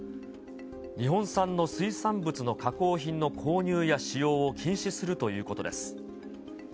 日本産の水産物の加工品の購入や使用を禁止するということです。